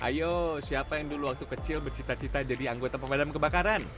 ayo siapa yang dulu waktu kecil bercita cita jadi anggota pemadam kebakaran